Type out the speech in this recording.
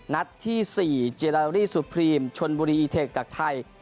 นัดที่๔เจลารี่สุดพรีมชนบุรีอีเทคจากไทย